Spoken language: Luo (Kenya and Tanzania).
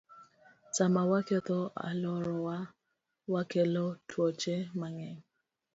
Sama waketho alworawa, wakelo tuoche mang'eny.